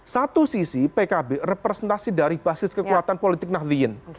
satu sisi pkb representasi dari basis kekuatan politik nahdliyin